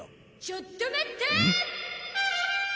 ちょっと待ったー！